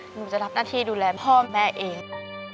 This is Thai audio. หนูจะรับหน้าที่ดูแลพ่อแม่เอง